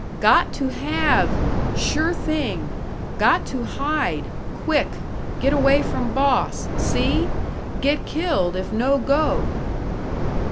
"Got to have! Sure thing! Got to hide! Quick! Get away from boss! See? Get killed if no go!"